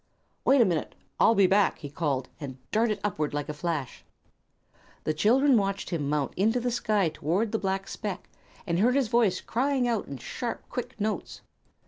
"Wait a minute! I'll be back," he called, and darted upward like a flash. The children watched him mount into the sky toward the black speck, and heard his voice crying out in sharp, quick notes.